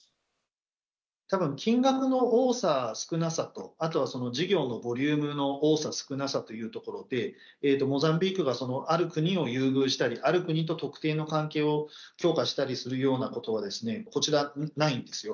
たぶん、金額の多さ、少なさと、あとはそれから事業のボリュームの多さ、少なさというところで、モザンビークがある国を優遇したり、ある国と特定の関係を強化したりするようなことは、こちら、ないんですよ。